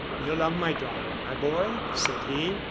"'You love my daughter, my boy,' said he.